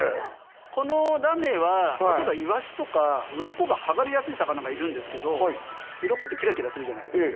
このラメは例えばイワシとかうろこが剥がれやすい魚がいるんですけどうろこってキラキラするじゃないですか